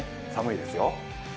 寒いですよ。